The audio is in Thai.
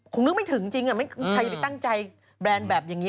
นึกไม่ถึงจริงใครจะไปตั้งใจแบรนด์แบบอย่างนี้